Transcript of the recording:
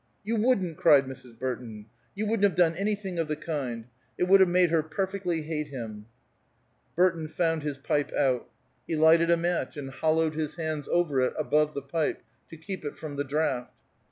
"You wouldn't!" cried Mrs. Burton. "You wouldn't have done anything of the kind. It would have made her perfectly hate him." Burton found his pipe out. He lighted a match and hollowed his hands over it above the pipe, to keep it from the draught.